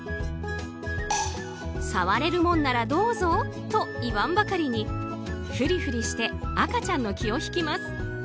触れるもんなら、どうぞと言わんばかりにふりふりして赤ちゃんの気を引きます。